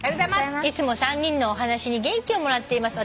「いつも３人のお話に元気をもらっています」